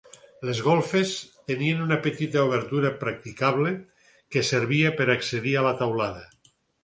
Les golfes tenien una petita obertura practicable que servia per accedir a la teulada.